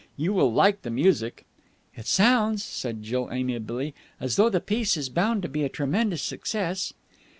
You will like the music." "It sounds," said Jill amiably, "as though the piece is bound to be a tremendous success."